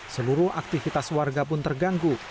seluruh aktivitas warga pun terganggu